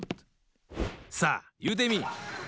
さあいうてみい！